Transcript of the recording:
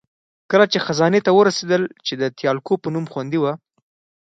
کله چې خزانې ته ورسېدل، چې د تیالکو په نوم خوندي وه.